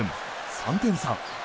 ３点差。